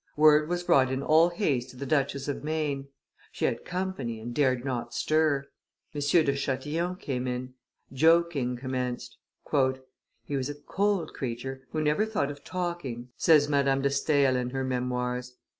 Word was brought in all haste to the Duchess of Maine. She had company, and dared not stir. M. de Chatillon came in; joking commenced. "He was a cold creature, who never thought of talking," says Madame de Stael in her memoirs.